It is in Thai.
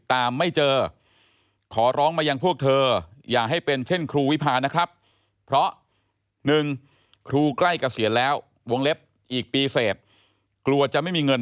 ยาท่าน้ำขาวไทยนครเพราะทุกการเดินทางของคุณจะมีแต่รอยยิ้ม